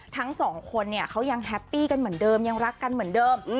ทั้งสองคนเนี่ยเขายังแฮปปี้กันเหมือนเดิมยังรักกันเหมือนเดิม